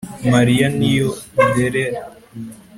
Mariya ni yodeler